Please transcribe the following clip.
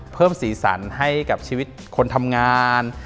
เพิ่มสีสันให้กับชีวิตคนทำงาน